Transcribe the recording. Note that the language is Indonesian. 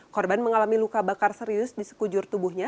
korban mengalami luka bakar serius di sekujur tubuhnya